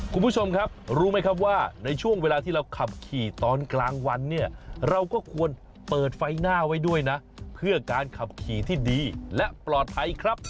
คุณผู้ชมครับรู้ไหมครับว่าในช่วงเวลาที่เราขับขี่ตอนกลางวันเนี่ยเราก็ควรเปิดไฟหน้าไว้ด้วยนะเพื่อการขับขี่ที่ดีและปลอดภัยครับ